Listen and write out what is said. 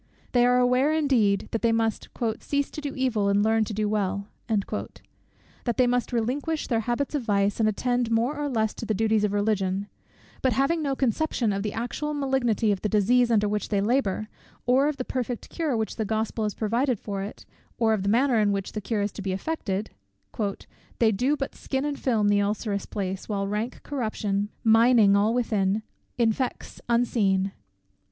They are aware, indeed, that they must "cease to do evil, and learn to do well;" that they must relinquish their habits of vice, and attend more or less to the duties of Religion: but having no conception of the actual malignity of the disease under which they labour, or of the perfect cure which the Gospel has provided for it, or of the manner in which that cure is to be effected, "They do but skin and film the ulcerous place, While rank corruption, mining all within, Infects unseen."